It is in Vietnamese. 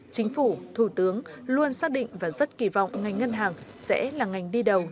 chính phủ thủ tướng luôn xác định và rất kỳ vọng ngành ngân hàng sẽ là ngành đi đầu